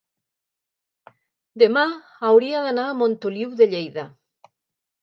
demà hauria d'anar a Montoliu de Lleida.